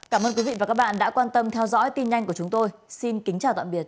cảm ơn quý vị và các bạn đã quan tâm theo dõi tin nhanh của chúng tôi xin kính chào tạm biệt